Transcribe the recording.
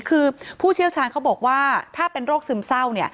คือผู้เชี่ยวชาญเขาบอกว่าถ้าเป็นโรคซึมเศร้า